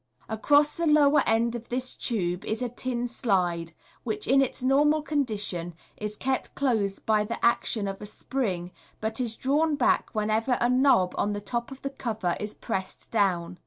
Across the lower end of this tube is a tin slide, which, in its normal condition, is kept closed by the action of a spring, but is drawn back whenever a knob on the top of the cover is pressed down.